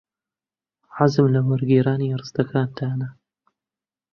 حەزم لە وەرگێڕانی ڕستەکانتانە.